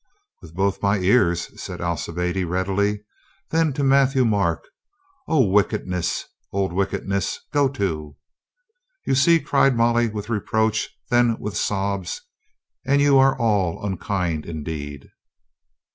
"With both my ears," said Alcibiade readily. Then to Matthieu Marc, "O, wickedness, old wick edness, go to !" "You see!" cried Molly with reproach; then with sobs, "And you are all unkind indeed!"